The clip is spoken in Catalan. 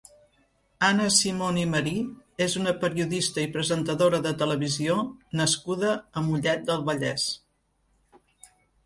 Anna Simon i Marí és una periodista i presentadora de televisió nascuda a Mollet del Vallès.